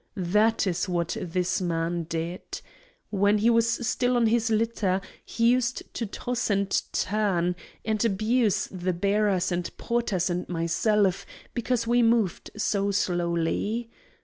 That is what this man did. When he was still on his litter he used to toss and turn, and abuse the bearers and porters and myself because we moved so slowly.